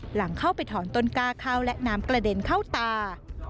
หลังเข้าไปถอนต้นกล้าเข้าและน้ำกระเด็นเข้าตา